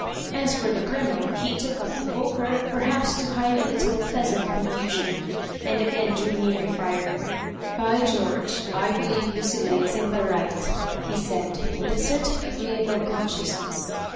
As for the Colonel, he took up the poker, perhaps to hide a little pleasant confu^on, and again drew near the fire. " By George 1 1 believe Lucilla is in the right," he said, with a certain agreeable consciousness.